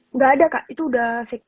enggak ada kak itu udah fix